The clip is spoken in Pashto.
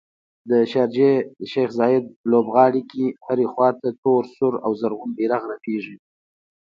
د شارجې شیخ ذاید لوبغالي کې هرې خواته تور، سور او شین بیرغ رپیږي